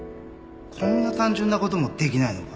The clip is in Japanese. こんな単純なこともできないのか